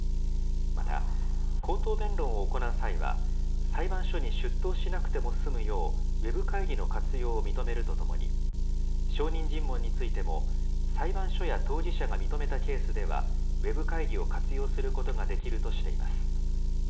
また、口頭弁論を行う際は、裁判所に出頭しなくても済むよう、ウェブ会議の活用を認めるとともに、証人尋問についても、裁判所や当事者が認めたケースでは、ウェブ会議を活用することができるとしています。